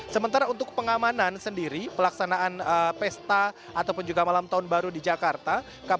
sementara untuk pengamanan sendiri pelaksanaan pesta ataupun juga malam tahun baru di jakarta